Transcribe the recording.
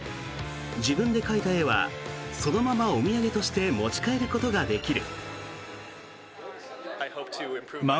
自分で描いた絵はそのままお土産として持ち帰ることができる。